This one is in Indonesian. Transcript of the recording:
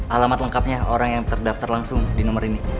alamat lengkapnya orang yang terdaftar langsung di nomor ini